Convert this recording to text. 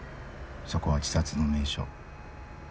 そこは自殺の名所。